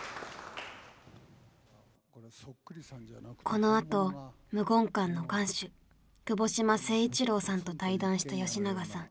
このあと無言館の館主窪島誠一郎さんと対談した吉永さん。